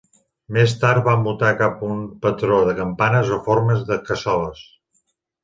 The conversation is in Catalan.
Més tard va mutar cap a un patró de campanes o formes de cassoles.